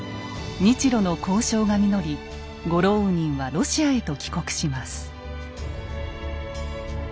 日露の交渉が実りゴローウニンはロシアへと帰国します。